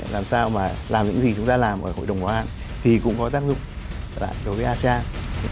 làm sao mà làm những gì chúng ta làm ở hội đồng bảo an thì cũng có tác dụng đối với asean